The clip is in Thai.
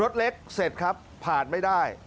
รถเล็กเสร็จครับผ่านไม่ได้